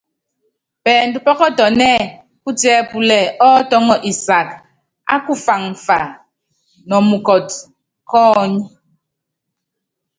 Pɛɛndɔ pɔ́kɔtɔnɛ́ putiɛ́púlɛ́ ɔ́tɔ́ŋɔ isak á kufáŋfa nɔ mukɔt kɔ́ ɔɔ́ny.